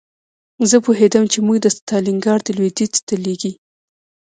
زه پوهېدم چې موږ د ستالینګراډ لویدیځ ته لېږي